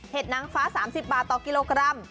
นางฟ้า๓๐บาทต่อกิโลกรัม